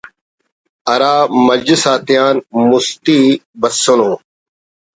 ہرا مجلس آتیان مستی بسنو